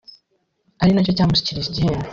ari nacyo cyamushyikirije igihembo